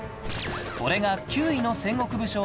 これが９位の戦国武将の銅像